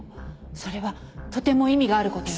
それはとても意味があることよ。